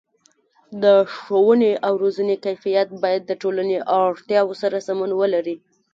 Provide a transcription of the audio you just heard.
د ښوونې او روزنې کیفیت باید د ټولنې اړتیاو سره سمون ولري.